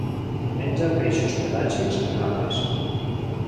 Menja peixos pelàgics i gambes.